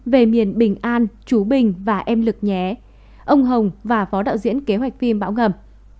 về miền bình an chú bình và em lực nhé ông hồng và phó đạo diễn kế hoạch phim bão ngầm